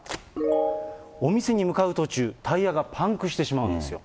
お店に向かう途中、タイヤがパンクしてしまうんですよ。